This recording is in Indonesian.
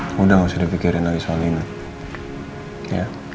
nanti moetah rueku lebih sulit